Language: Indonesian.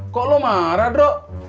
kok lu marah bro